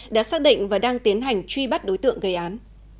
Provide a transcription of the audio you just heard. đã xác định và đang tiến hành truy bắt đối tượng gây án